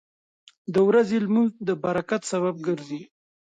• د ورځې لمونځ د برکت سبب ګرځي.